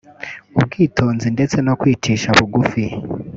ubwitonzi ndetse no kwicisha bugufi